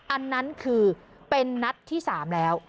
อันนั้นคือเป็นนัดที่๓แล้ว